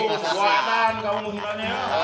kesalahan kamu lukanya